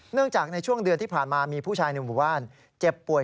จากในช่วงเดือนที่ผ่านมามีผู้ชายในหมู่บ้านเจ็บป่วย